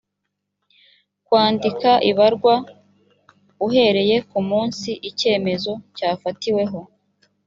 kwandika ibarwa uhereye ku munsi icyemezo cyafatiweho